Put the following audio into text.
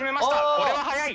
これは速い！